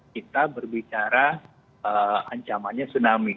kita berbicara ancamannya tsunami